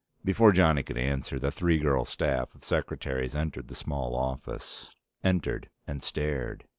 Before Johnny could answer, the three girl staff of secretaries entered the small office. Entered and stared.